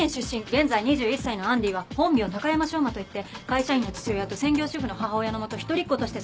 現在２１歳のアンディは本名高山翔真といって会社員の父親と専業主婦の母親の下一人っ子として育ち。